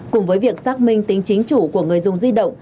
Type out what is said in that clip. cùng với việc xác minh tính chính chủ của người dùng di động